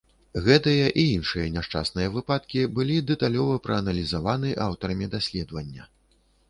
Гэтыя і іншыя няшчасныя выпадкі былі дэталёва прааналізаваны аўтарамі даследавання.